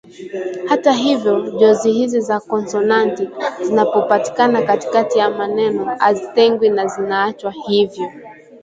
Hata hivyo jozi hizi za konsonanti zinapopatikana katikati ya maneno hazitengwi na zinaachwa hivyo